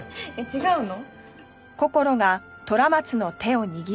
違うの？